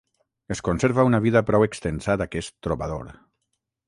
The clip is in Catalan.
Es conserva una vida prou extensa d'aquest trobador.